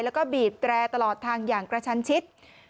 แล้วก็บีบแตรตลอดทางอย่างกระชันชิด